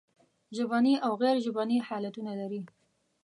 ژبني او غیر ژبني حالتونه لري.